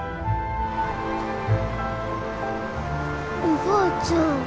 おばあちゃん。